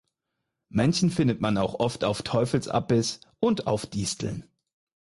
Männchen findet man auch oft auf Teufelsabbiss und auf Disteln.